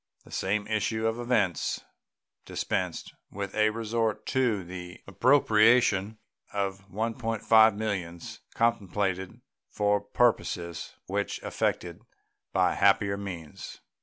The same issue of events dispensed with a resort to the appropriation of $1.5 millions, contemplated for purposes which were effected by happier means.